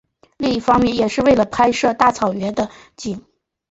另一方面也是为了拍摄大草原的景。